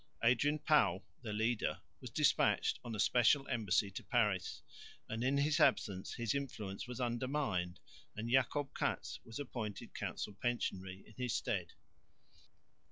Adrian Pauw, their leader, was despatched on a special embassy to Paris, and in his absence his influence was undermined, and Jacob Cats was appointed Council Pensionary in his stead.